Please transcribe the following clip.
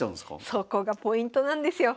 そこがポイントなんですよ。